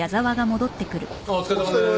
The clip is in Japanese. お疲れさまです。